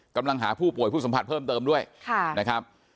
กำลังหาผู้ป่วยผู้สัมผัสเพิ่มเติมด้วยนะครับ